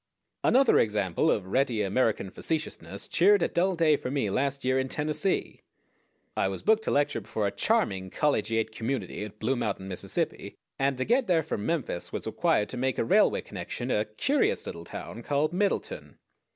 Another example of ready American facetiousness cheered a dull day for me last year in Tennessee. I was booked to lecture before a charming collegiate community at Blue Mountain, Mississippi, and to get there from Memphis was required to make a railway connection at a curious little town called Middleton.